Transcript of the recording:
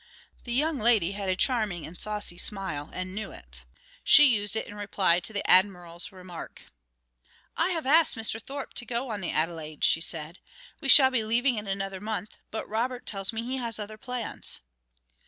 The young lady had a charming and saucy smile and knew it; she used it in reply to the Admiral's remark. "I have asked Mr. Thorpe to go on the Adelaide," she said. "We shall be leaving in another month but Robert tells me he has other plans."